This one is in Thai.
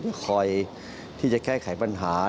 คอยที่จะแก้ไขปัญหา